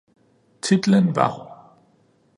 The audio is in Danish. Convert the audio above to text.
Titlen var: